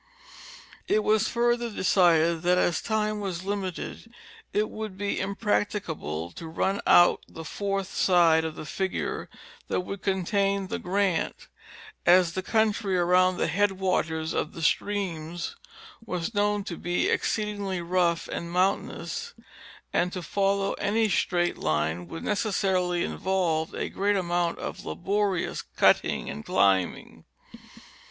It was further decided that as time was limited it would be impracti cable to run out the fourth side of the figure that would contain the grant, as the country around the headwaters of the streams was known to be exceedingly rough and mountainous, and to follow any straight line would necessarily involve a great amount of laborious cutting and climbing.